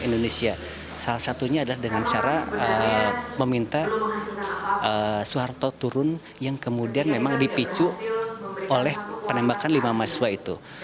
indonesia salah satunya adalah dengan cara meminta soeharto turun yang kemudian memang dipicu oleh penembakan lima mahasiswa itu